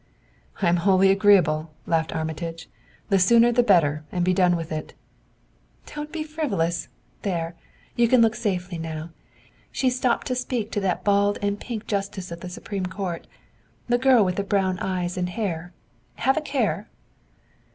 "I am wholly agreeable," laughed Armitage. "The sooner the better, and be done with it." "Don't be so frivolous. There you can look safely now. She's stopped to speak to that bald and pink Justice of the Supreme Court, the girl with the brown eyes and hair, have a care!"